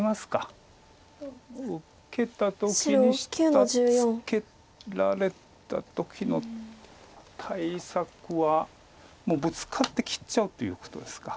下ツケられた時の対策はもうブツカって切っちゃうということですか。